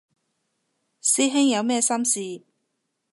師兄有咩心事